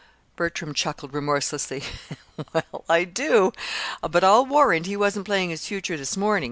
Bertram chuckled remorselessly. "Well, I do. But I'll warrant he wasn't playing his future this morning.